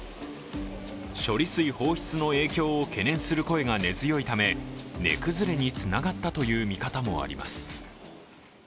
処理水放出の影響を懸念する声が根強いため値崩れにつながったという見方もあります。